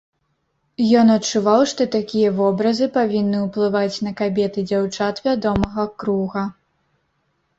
Ён адчуваў, што такія вобразы павінны ўплываць на кабет і дзяўчат вядомага круга.